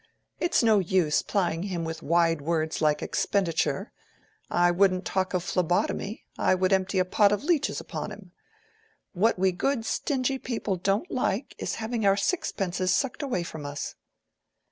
It's no use plying him with wide words like Expenditure: I wouldn't talk of phlebotomy, I would empty a pot of leeches upon him. What we good stingy people don't like, is having our sixpences sucked away from us."